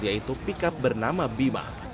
yaitu pickup bernama bima